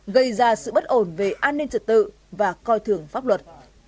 gây ra sự bất ổn về an ninh trật tự và coi thường pháp luật